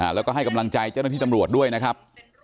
แล้วก็ให้กำลังใจเจ้าหน้าที่ตำรวจด้วยนะครับ